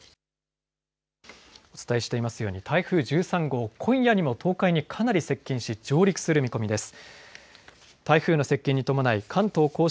お伝えしていますように台風１３号、今夜にも東海にかなり接近し上陸する見込みです。